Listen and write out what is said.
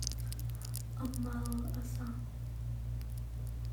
A mar a zaang.